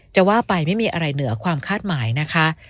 จะว่าไปไม่มีอะไรเหนือความคาดหมายนะคะ